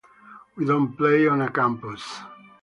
We don't play on a campus.